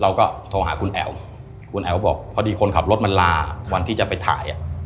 เราก็โทรหาคุณแอ๋วคุณแอ๋วบอกพอดีคนขับรถมันลาวันที่จะไปถ่ายอ่ะ